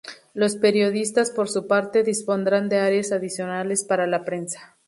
Los periodistas, por su parte, dispondrán de áreas adicionales para la prensa.